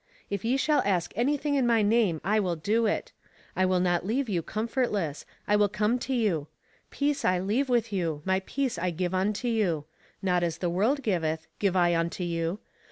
If ye shall ask anything in my name, I will do it. I will not leave you comfortless : I will como to you. Peace I leave with you, my peace I give unto you : not as the world giveth, give I unto you.